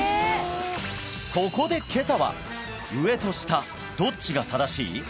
そこで今朝は上と下どっちが正しい？